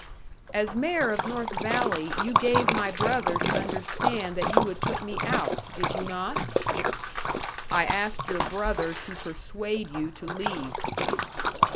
"As mayor of North Valley, you gave my brother to understand that you would put me out, did you not?" "I asked your brother to persuade you to leave."